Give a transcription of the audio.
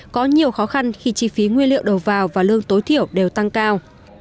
có nhiều khó khăn khi chi phí nguyên liệu đầu vào và lương tối thiểu đều tăng cao